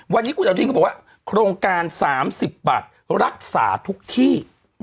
วันนี้คุณอนุทินก็บอกว่าโครงการ๓๐บาทรักษาทุกที่